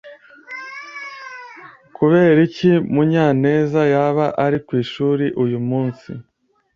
kuberiki Munyanezyaba ari kwishuri uyumunsi?